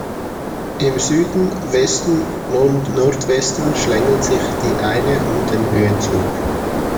Im Süden, Westen und Nordwesten schlängelt sich die Eine um den Höhenzug.